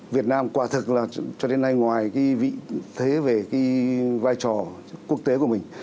việt nam quả thực là cho đến nay ngoài vị thế về vai trò quốc tế của mình